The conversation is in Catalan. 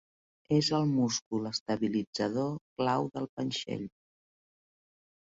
És el múscul estabilitzador clau del panxell.